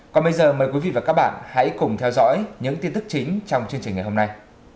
còn bây giờ mời quý vị và các bạn hãy cùng theo dõi những tin tức chính trong chương trình ngày hôm nay